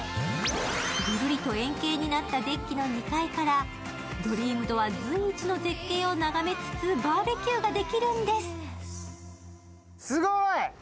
ぐるりと円形になったデッキの２階からＤＲＥＡＭＤＯＯＲ随一の絶景を眺めつつバーベキューができるんです。